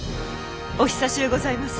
お久しゅうございます